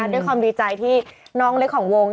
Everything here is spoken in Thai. ด้วยความดีใจที่น้องเล็กของวง